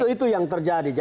itu yang terjadi